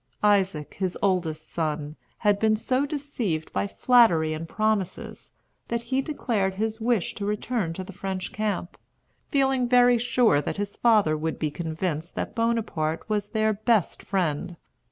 Isaac, his oldest son, had been so deceived by flattery and promises, that he declared his wish to return to the French camp, feeling very sure that his father would be convinced that Bonaparte was their best friend.